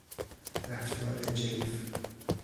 رفتار جلف